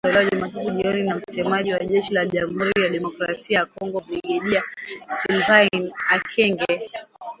Katika taarifa iliyotolewa Jumatatu jioni na msemaji wa jeshi la Jamhuri ya kidemokrasia ya Kongo Brigedia Sylvain Ekenge.